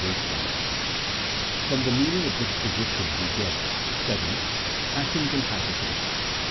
Prom the meaning of disposition we get — (7.) Passions and faculties.